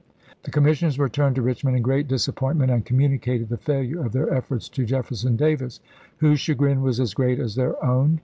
The commissioners returned to Richmond in great disappointment, and communicated the failure of their efforts to Jefferson Davis, whose chagrin was as great as their own.